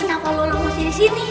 kenapa lu langsung disini